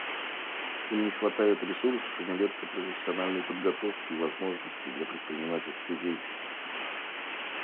Им не хватает ресурсов и нередко профессиональной подготовки и возможностей для предпринимательской деятельности.